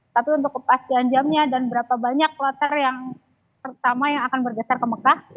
tapi untuk kepastian jamnya dan berapa banyak kloter yang pertama yang akan bergeser ke mekah